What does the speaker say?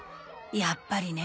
やっぱりね。